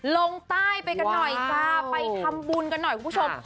ลงใต้ไปกันหน่อยจ้าไปทำบุญกันหน่อยคุณผู้ชม